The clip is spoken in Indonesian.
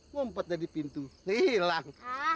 mumpetnya di pintu hilang